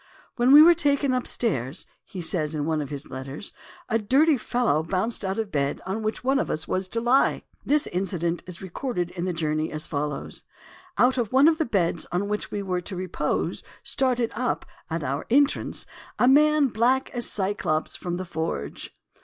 "When we were taken upstairs," says he in one of his letters, "a dirty fellow bounced out of the bed on which one of us was to lie." This incident is recorded in the Journey as follows :" Out of one of the beds on which we were to repose started up, at our entrance, a man black as Cyclops from the forge."